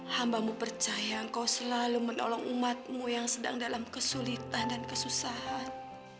hambamu percaya engkau selalu menolong umatmu yang sedang dalam kesulitan dan kesusahan